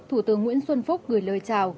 thủ tướng nguyễn xuân phúc gửi lời chào